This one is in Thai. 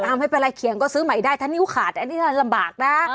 เอาไม่เป็นไรเขียงก็ซื้อใหม่ได้ถ้านิ้วขาดอันนี้ลำบากนะ